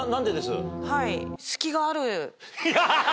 はい。